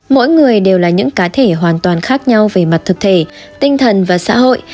mỗi người đều là những cá thể hoàn toàn khác nhau về mặt thực thể tinh thần và xã hội